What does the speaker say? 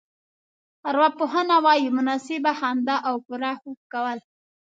ارواپوهنه وايي مناسبه خندا او پوره خوب کول.